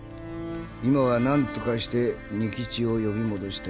今は何とかして弐吉を呼び戻したい。